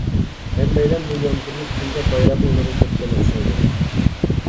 ھەممەيلەن بۇ يامغۇرلۇق كۈندە بايرام ئوينىغىلى كەتكەن ئوخشايدۇ.